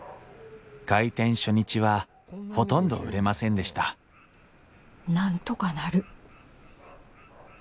開店初日はほとんど売れませんでしたなんとかなる。